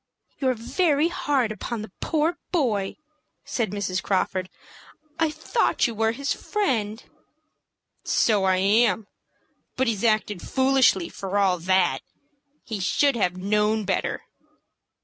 "You're very hard upon the poor boy!" said Mrs. Crawford. "I thought you were his friend." "So I am; but he's acted foolishly for all that. He should have known better."